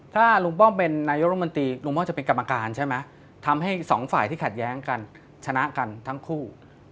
ถ้าลุงป้อมเป็นนายกรมนตรีลุงป้อมจะเป็นกรรมการใช่ไหมทำให้สองฝ่ายที่ขัดแย้งกันชนะกันทั้งคู่